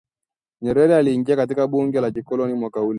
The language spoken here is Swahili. Nyerere aliingia katika bunge la kikoloni mwaka ule